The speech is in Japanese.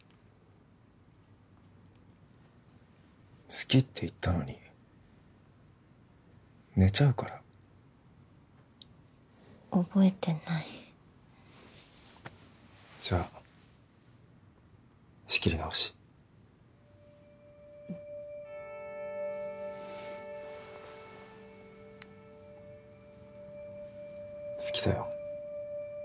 好きって言ったのに寝ちゃうから覚えてないじゃあ仕切り直し好きだよ